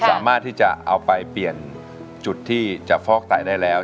สามารถที่จะเอาไปเปลี่ยนจุดที่จะฟอกไตได้แล้ว